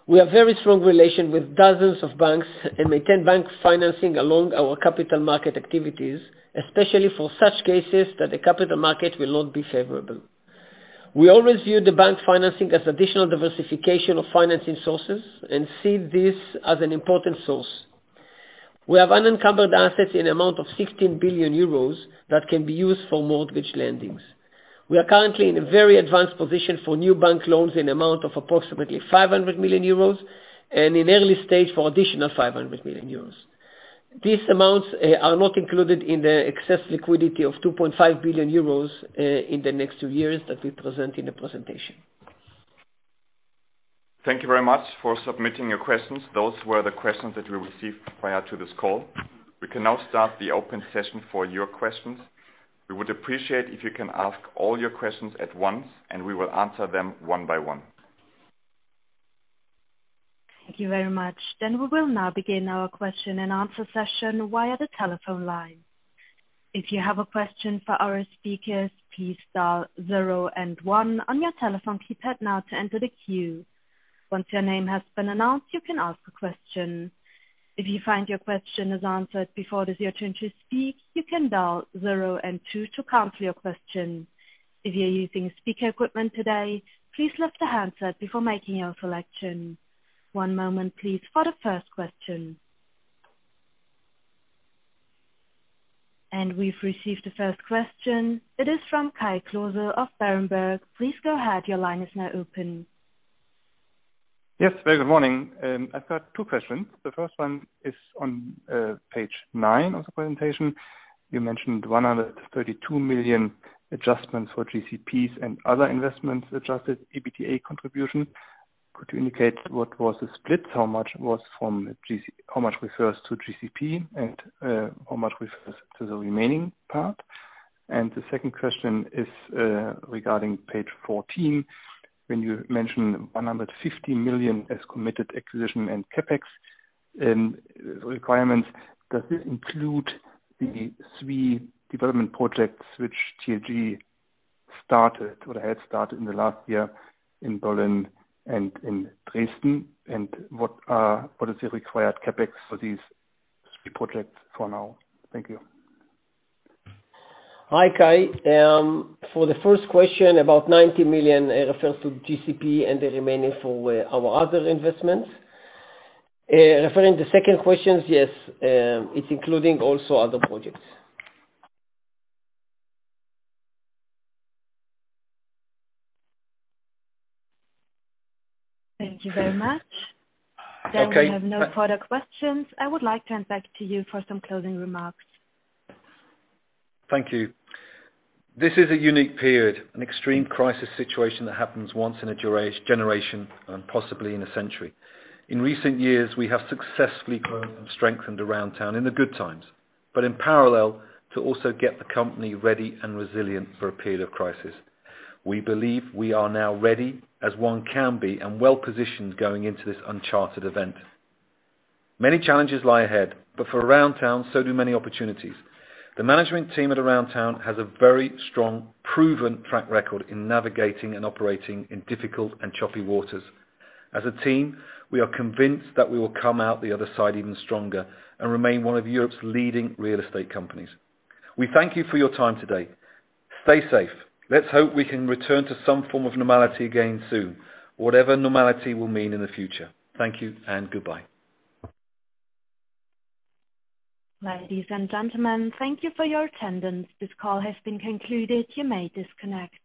We have very strong relation with dozens of banks and maintain bank financing along our capital market activities, especially for such cases that the capital market will not be favorable. We always view the bank financing as additional diversification of financing sources and see this as an important source. We have unencumbered assets in amount of 16 billion euros that can be used for mortgage lendings. We are currently in a very advanced position for new bank loans in amount of approximately 500 million euros, and in early stage for additional 500 million euros. These amounts are not included in the excess liquidity of 2.5 billion euros in the next two years that we present in the presentation. Thank you very much for submitting your questions. Those were the questions that we received prior to this call. We can now start the open session for your questions. We would appreciate if you can ask all your questions at once, and we will answer them one by one. Thank you very much. We will now begin our question and answer session via the telephone line. If you have a question for our speakers, please dial zero and one on your telephone keypad now to enter the queue. Once your name has been announced, you can ask a question. If you find your question is answered before it is your turn to speak, you can dial zero and two to cancel your question. If you're using speaker equipment today, please lift the handset before making your selection. One moment please, for the first question. We've received the first question. It is from Kai Klose of Berenberg. Please go ahead. Your line is now open. Yes, very good morning. I've got two questions. The first one is on page nine of the presentation. You mentioned 132 million adjustments for GCP and other investments adjusted EBITDA contribution. Could you indicate what was the split? How much refers to GCP and how much refers to the remaining part? The second question is regarding page 14. When you mention 150 million as committed acquisition and CapEx in requirements, does this include the three development projects which TLG had started in the last year in Berlin and in Dresden, and what is the required CapEx for these three projects for now? Thank you. Hi, Kai. For the first question, about 90 million refers to GCP and the remaining for our other investments. Referring to second questions, yes, it's including also other projects. Thank you very much. Okay. We have no further questions. I would like to hand back to you for some closing remarks. Thank you. This is a unique period, an extreme crisis situation that happens once in a generation, and possibly in a century. In recent years, we have successfully grown and strengthened Aroundtown in the good times. In parallel, to also get the company ready and resilient for a period of crisis. We believe we are now ready as one can be and well-positioned going into this uncharted event. Many challenges lie ahead. For Aroundtown, so do many opportunities. The management team at Aroundtown has a very strong, proven track record in navigating and operating in difficult and choppy waters. As a team, we are convinced that we will come out the other side even stronger and remain one of Europe's leading real estate companies. We thank you for your time today. Stay safe. Let's hope we can return to some form of normality again soon. Whatever normality will mean in the future. Thank you and goodbye. Ladies and gentlemen, thank you for your attendance. This call has been concluded. You may disconnect.